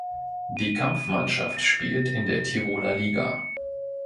Die Kampfmannschaft spielt in der Tiroler Liga.